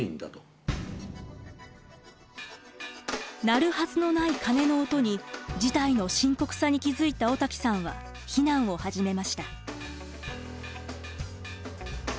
鳴るはずのない鐘の音に事態の深刻さに気付いた小滝さんは避難を始めました。